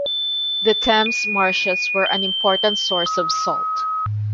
The Thames Marshes were an important source of salt.